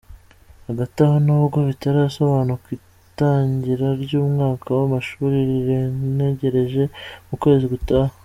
Hagati aho, nubwo bitarasobanuka, itangira ry’umwaka w’amashuri rirenegereje mu kwezi gutaha.